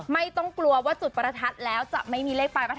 ไม่ต้องกลัวว่าจุดปรฐฐแล้วจะไม่มีเลขปรฐฐ